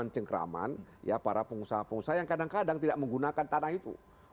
cengkraman ya para pengusaha pengusaha yang kadang kadang tidak menggunakan tanah itu